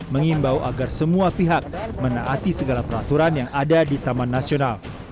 mengimbau agar semua pihak menaati segala peraturan yang ada di taman nasional